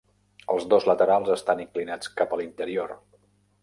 Els dos laterals estan inclinats cap a l'interior.